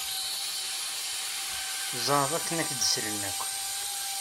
Zɛeḍ akken ad ak-d-slen akk.